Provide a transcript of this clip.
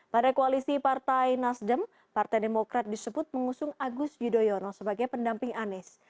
pada koalisi partai nasdem partai demokrat disebut mengusung agus yudhoyono sebagai pendamping anies